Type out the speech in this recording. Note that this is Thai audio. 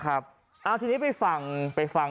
กลับมาพร้อมขอบความ